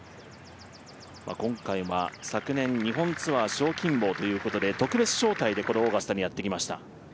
今回、昨年日本ツアー賞金王ということで特別招待でこのオーガスタにやってきました。